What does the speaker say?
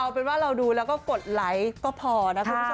เอาเป็นว่าเราดูแล้วก็กดไลค์ก็พอนะคุณผู้ชม